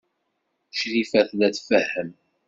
Crifa tella tfehhem.